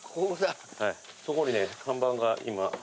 そこにね看板が今。